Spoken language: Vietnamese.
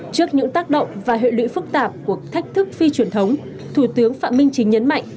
trước những tác động và hệ lụy phức tạp của thách thức phi truyền thống thủ tướng phạm minh chính nhấn mạnh